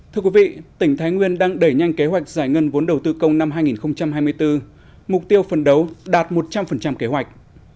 thưa quý vị tỉnh thái nguyên đang đẩy nhanh kế hoạch giải ngân vốn đầu tư công năm hai nghìn hai mươi bốn mục tiêu phần đấu đạt một trăm linh kế hoạch